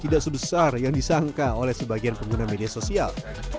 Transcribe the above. tidak sebesar yang disangka oleh sebagian pengguna media sosial